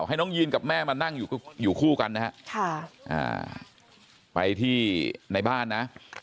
ให้น้องยีนกับแม่มานั่งอยู่คู่กันนะฮะไปที่ในบ้านนะ